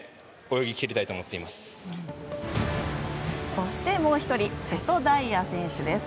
そしてもう１人、瀬戸大也選手です。